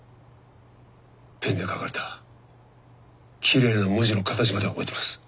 ペンで書かれたきれいな文字の形まで覚えてます。